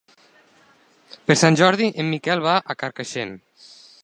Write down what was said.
Per Sant Jordi en Miquel va a Carcaixent.